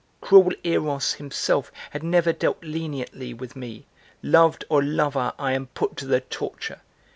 Cruel Eros himself had never dealt leniently with me, loved or lover I am put to the torture!